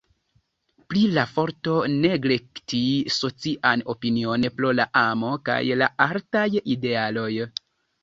Pri la forto neglekti socian opinion pro la amo kaj la altaj idealoj.